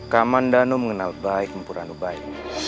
kamandanu mengenal baik mumpuranubaya